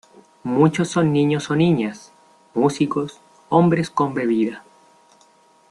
Muchos son niños o niñas, músicos, hombres con bebida.